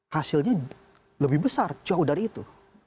hasilnya lebih besar jauh dari itu